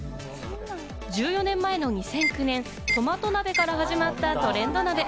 １４年前の２００９年、トマト鍋から始まったトレンド鍋。